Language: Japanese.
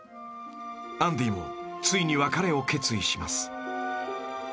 ［アンディもついに別れを決意します］